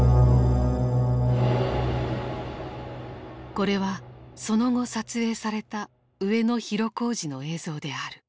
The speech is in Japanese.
これはその後撮影された上野広小路の映像である。